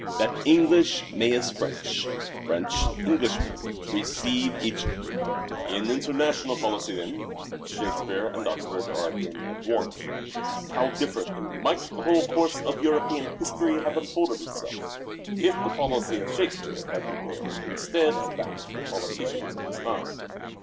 That English may as French, French Englishmen Receive each other." In international policy, then, Shakespeare and Oxford are again at one. How differently might the whole course of European Shakespeare history have unfolded itself if the policy of Shake and ,,.,,.,,,,,,,,.,.. politicians. speare had prevailed instead of that of the politicians of his time.